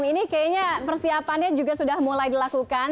ini kayaknya persiapannya juga sudah mulai dilakukan